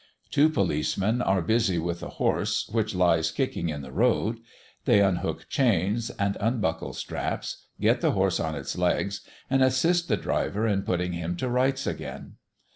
Two policemen are busy with the horse which lies kicking in the road. They unhook chains and unbuckle straps; get the horse on its legs, and assist the driver in putting him to rights again.